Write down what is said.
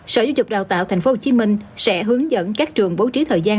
sở giáo dục đào tạo tp hcm sẽ hướng dẫn các trường bố trí thời gian